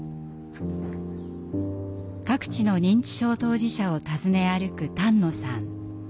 各地の認知症当事者を訪ね歩く丹野さん。